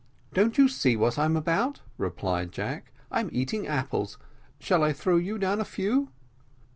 "Don't you see what I'm about," replied Jack, "I'm eating apples shall I throw you down a few?"